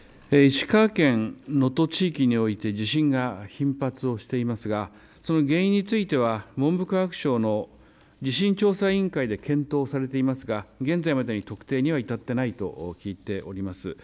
石川県能登地域において地震が頻発をしていますがその原因については文部科学省の地震調査委員会で検討されていますが現在までに特定には至っていないと聞いております。